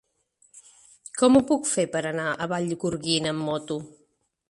Com ho puc fer per anar a Vallgorguina amb moto?